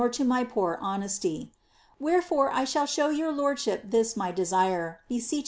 C' niy i>oor honesty. Wherefore, 1 show your lordsliip this my desire, beseech :r.